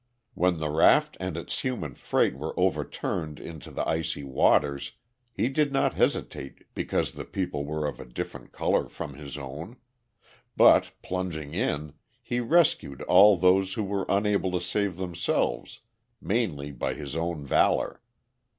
When the raft and its human freight were overturned into the icy waters he did not hesitate because the people were of a different color from his own, but, plunging in, he rescued all those who were unable to save themselves, mainly by his own valor.